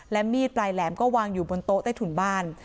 และมีดปลายแหลมก็วางอยู่บนโต๊ะใต้ถุนบ้าน